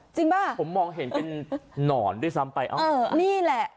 จริงป่ะผมมองเห็นเป็นนอนด้วยซ้ำไปเออนี่แหละ